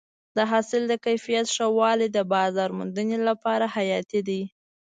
د حاصل د کیفیت ښه والی د بازار موندنې لپاره حیاتي دی.